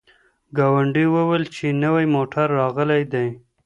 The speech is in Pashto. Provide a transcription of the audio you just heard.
ګاونډي وویل چي نوی موټر راغلی دی.